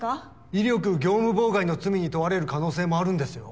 威力業務妨害の罪に問われる可能性もあるんですよ。